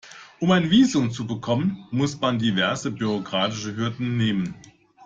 Um ein Visum zu bekommen, muss man diverse bürokratische Hürden nehmen.